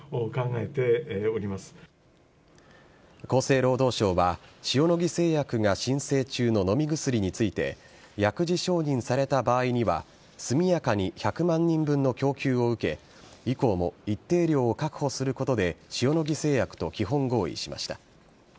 厚生労働省は塩野義製薬が申請中の飲み薬について薬事承認された場合には速やかに１００万人分の供給を受け以降も一定量を確保することで塩野義製薬と基本合意しました。